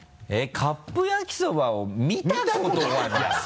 「カップ焼きそばを見たことがない」？